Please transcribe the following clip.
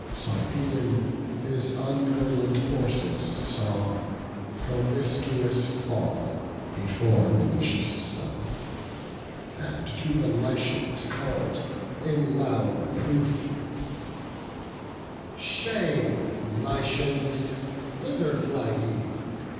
Sarpedon his ungirdled forces saw Promiscuous fall before Menoetius' son, And to the Lycians call'd in loud reproof: "Shame, Lycians! whither fly ye?